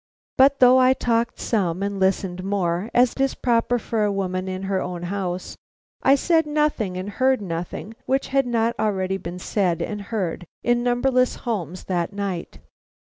But though I talked some and listened more, as is proper for a woman in her own house, I said nothing and heard nothing which had not been already said and heard in numberless homes that night.